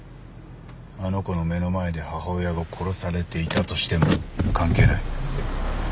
あの子の目の前で母親が殺されていたとしても関係ない。